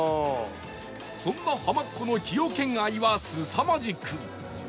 そんな浜っ子の崎陽軒愛はすさまじく